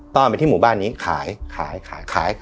้อนไปที่หมู่บ้านนี้ขายขายขายขาย